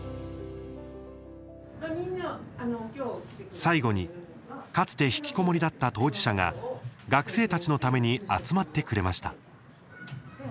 最後に、かつてひきこもりだった当事者が学生たちのために集まってくれました。